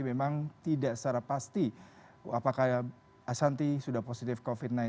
memang tidak secara pasti apakah asanti sudah positif covid sembilan belas